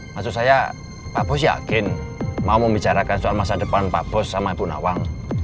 maksud saya pak bos yakin mau membicarakan soal masa depan pak bos sama ibu nawang